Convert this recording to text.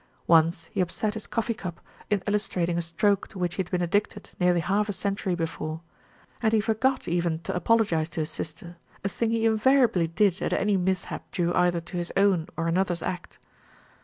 Once he upset his coffee cup in illustrating a stroke to which he had been addicted nearly half a century be fore, and he forgot even to apologise to his sister, a thing he invariably did at any mishap due either to his own or another's act.